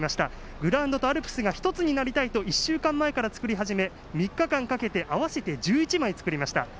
グラウンドとアルプスが１つになりたいと１週間前から作り始め３日間かけて合わせて１１枚作りました。